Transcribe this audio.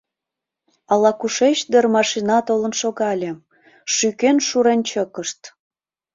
Ала-кушеч дыр машина толын шогале, шӱкен-шурен чыкышт.